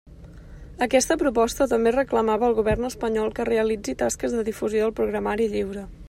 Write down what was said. Aquesta proposta també reclamava al Govern espanyol que realitzi tasques de difusió del programari lliure.